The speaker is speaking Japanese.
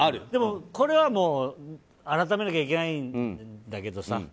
でも、これは改めなきゃいけないんだけどさ。